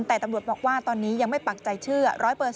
แต่ตำรวจบอกว่าตอนนี้ยังไม่ปักใจเชื่อ๑๐๐